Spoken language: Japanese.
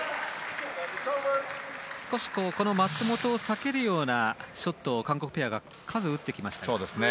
少し松本を避けるようなショットを韓国ペアが数打ってきました。